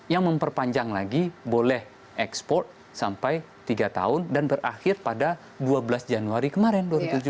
yang memperpanjang lagi boleh ekspor sampai tiga tahun dan berakhir pada dua belas januari kemarin dua ribu tujuh belas